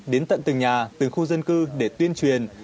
đến tận từ nhà từ khu dân cư để tuyên truyền